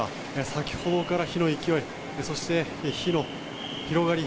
先ほどから、火の勢いそして火の広がり